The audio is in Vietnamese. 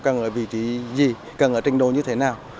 cần ở vị trí gì cần ở trình độ như thế nào